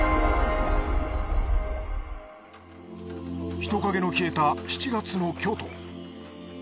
人影の消えた７月の京都。